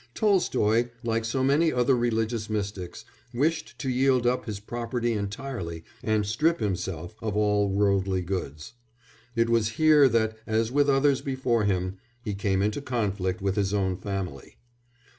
Tolstoy, like so many other religious mystics, wished to yield up his property entirely and strip himself of all worldly goods. It was here that, as with others before him, he came into conflict with his own family.